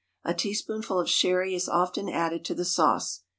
A teaspoonful of sherry is often added to the sauce.